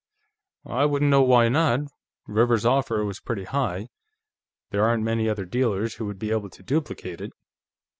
"I wouldn't know why not. Rivers's offer was pretty high; there aren't many other dealers who would be able to duplicate it....